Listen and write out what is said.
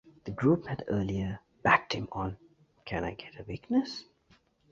The group had earlier backed him on "Can I Get a Witness".